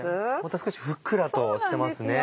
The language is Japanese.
少しふっくらとしてますね。